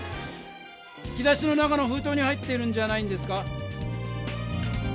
引き出しの中のふうとうに入っているんじゃないんですか？